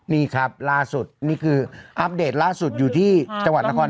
นี่ครับล่าสุดนี่คืออัปเดตล่าสุดอยู่ที่จังหวัดนคร